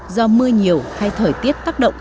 do mưa nhiều hay thời tiết tác động